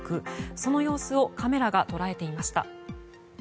その様子をカメラが捉えていました。